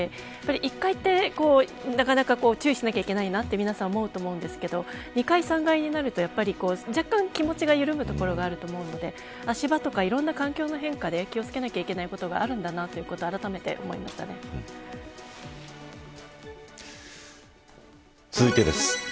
１階ってなかなか注意しなきゃいけないと思うんですけど２階、３階になると若干、気持ちが緩むところがあると思うので足場とか、いろんな環境の変化で気を付けなきゃいけないことがあるんだなと続いてです。